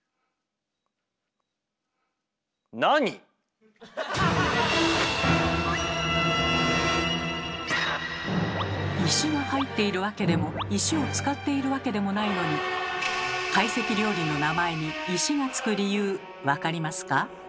なに⁉石が入っているわけでも石を使っているわけでもないのに懐石料理の名前に「石」がつく理由分かりますか？